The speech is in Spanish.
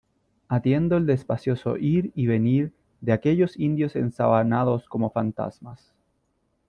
atiendo el despacioso ir y venir de aquellos indios ensabanados como fantasmas ,